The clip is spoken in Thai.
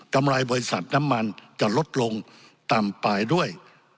ำไรบริษัทน้ำมันจะลดลงต่ำไปด้วย